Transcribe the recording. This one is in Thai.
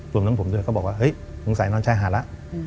ส่วนทั้งผมด้วยก็บอกว่าเฮ้ยหนุ่มใส่นอนชายหาดแล้ว